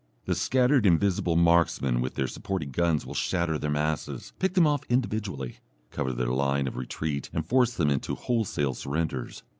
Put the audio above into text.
The scattered invisible marksmen with their supporting guns will shatter their masses, pick them off individually, cover their line of retreat and force them into wholesale surrenders.